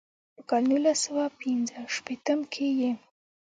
پۀ کال نولس سوه پينځه شپيتم کښې ئې